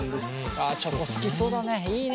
あチョコ好きそうだね。